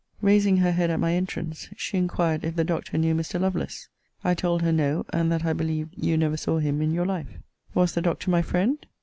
Raising her head at my entrance, she inquired if the Doctor knew Mr. Lovelace. I told her no; and that I believed you never saw him in your life. Was the Doctor my friend?